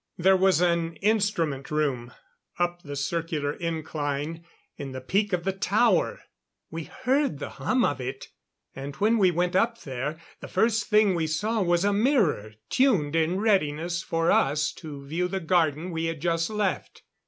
There was an instrument room, up the circular incline in the peak of the tower! We heard the hum of it; and when we went up there, the first thing we saw was a mirror tuned in readiness for us to view the garden we had just left.